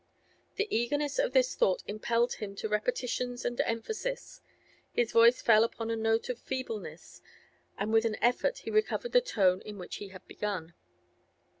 The eagerness of his thought impelled him to repetitions and emphasis. His voice fell upon a note of feebleness, and with an effort he recovered the tone in which he had begun.